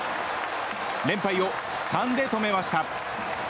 連敗を３で止めました。